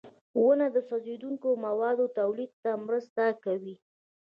• ونه د سوځېدونکو موادو تولید ته مرسته کوي.